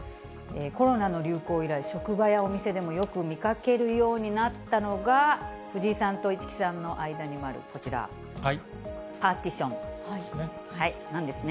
コロナの流行以来、職場やお店でもよく見かけるようになったのが、藤井さんと市來さんの間にあるこちら、パーティションなんですね。